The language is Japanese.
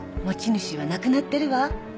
持ち主は亡くなってるわ。